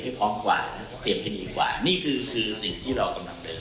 ซึ่งทางสมาคมกีฬาฟุตบอลก็พร้อมที่จะสนุนและอำนวยความสะดวกอย่างต่อเนื่อง